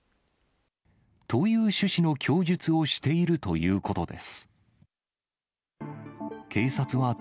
という趣旨の供述をしているということです。